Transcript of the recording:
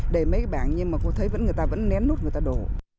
đề mấy cái bảng nhưng mà cô thấy người ta vẫn nén nút người ta đổ